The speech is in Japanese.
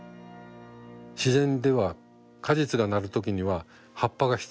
自然では果実がなる時には葉っぱが必要です。